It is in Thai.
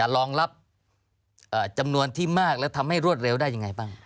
รองรับจำนวนที่มากและทำให้รวดเร็วได้ยังไงบ้าง